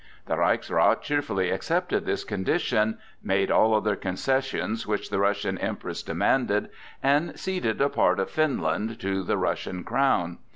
The Reichsrath cheerfully accepted this condition, made all other concessions which the Russian Empress demanded, and ceded a part of Finland to the Russian crown.